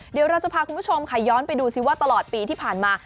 เดี๋ยวเราจะพาคุณผู้ชมค่ะย้อนไปดูซิว่าตลอดปีที่ผ่านมา